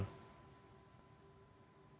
kalau kita bicara